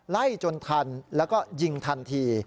ไล่จนทันแล้วก็ยิงทันที